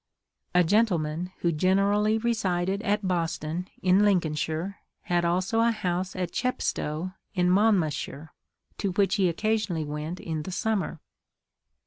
A gentleman, who generally resided at Boston in Lincolnshire, had also a house at Chepstow in Monmouthshire, to which he occasionally went in the summer.